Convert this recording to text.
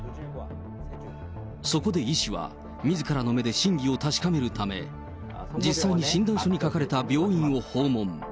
そこでイ氏は、みずからの目で真偽を確かめるため、実際に診断書に書かれた病院を訪問。